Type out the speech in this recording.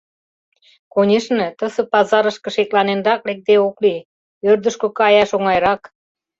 Конешне, тысе пазарышке шекланенрак лекде ок лий, ӧрдыжкӧ каяш оҥайрак...